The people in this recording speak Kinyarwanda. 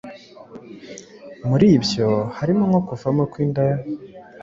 muribyo harimo nko kuvamo kw’inda